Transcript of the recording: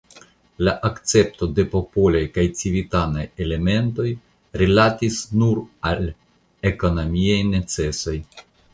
La akcepto de popolaj kaj civitanaj elementoj rilatis nur al ekonomiaj necesoj.